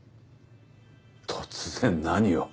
突然何を。